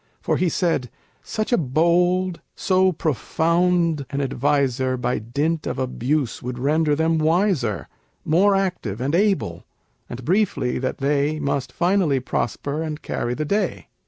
For he said, "Such a bold, so profound an adviser By dint of abuse would render them wiser, More active and able; and briefly that they Must finally prosper and carry the day."